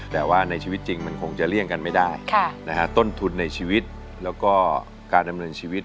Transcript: แต่ว่าในชีวิตจริงมันคงจะเลี่ยงกันไม่ได้ต้นทุนในชีวิตแล้วก็การดำเนินชีวิต